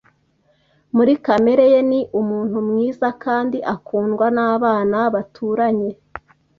Muri kamere ye ni umuntu mwiza kandi akundwa nabana baturanye.